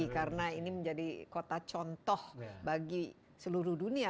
karena ini menjadi kota contoh bagi seluruh dunia